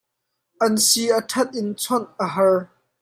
An si a ṭhat in chawnh a har.